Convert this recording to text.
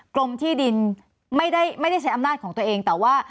กรมที่ดินไม่ใช่อำนาจของตัวเอง